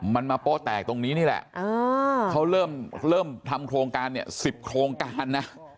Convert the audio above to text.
มันมาโป๊ะแตกตรงนี้นี่แหละเขาเริ่มทำโครงการเนี่ย๑๐โครงการนะ